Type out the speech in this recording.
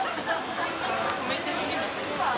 泊めてほしい。